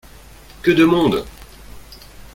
Que de monde !